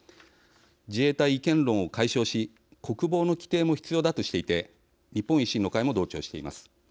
自衛隊違憲論を解消し国防の規定も必要だとしていて日本維新の会も同調しています。